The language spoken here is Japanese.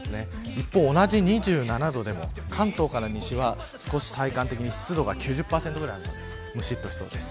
一方、同じ２７度でも関東から西は体感的に湿度が９０％ぐらいむしっとしそうです。